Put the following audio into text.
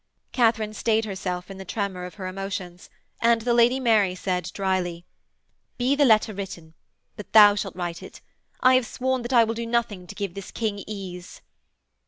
Katharine stayed herself in the tremor of her emotions, and the Lady Mary said drily: 'Be the letter written. But thou shalt write it. I have sworn that I will do nothing to give this King ease.'